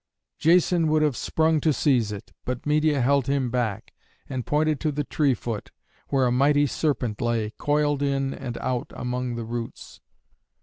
Jason would have sprung to seize it, but Medeia held him back and pointed to the tree foot, where a mighty serpent lay, coiled in and out among the roots.